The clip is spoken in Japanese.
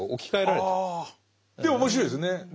でも面白いですね。